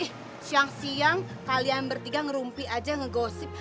eh siang siang kalian bertiga ngerumpi aja ngegosip